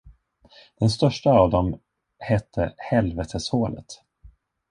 Den största av dem hette Helveteshålet.